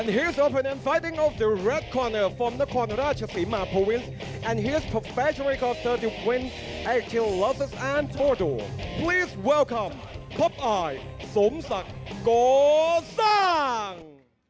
ที่ลอสเตอร์และโทรดูรขอบคุณคุณพบไอสมศักดิ์โกซ่าง